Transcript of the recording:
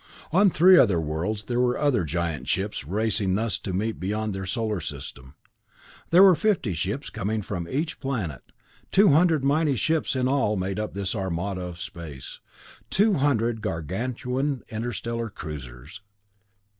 On three other worlds there were other giant ships racing thus to meet beyond their solar system. There were fifty ships coming from each planet; two hundred mighty ships in all made up this Armada of Space, two hundred gargantuan interstellar cruisers.